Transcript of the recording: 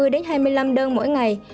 hai mươi hai mươi năm đơn mỗi ngày